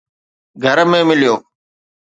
گهر ۾ مليو